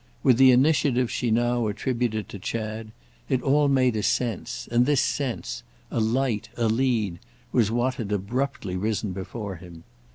With the initiative she now attributed to Chad it all made a sense, and this sense—a light, a lead, was what had abruptly risen before him.